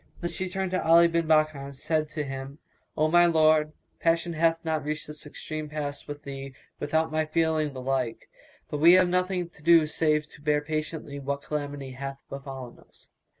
Then she turned to Ali bin Bakkar and said to him, "O my lord, passion hath not reached this extreme pass with thee without my feeling the like; but we have nothing to do save to bear patiently what calamity hath befallen us."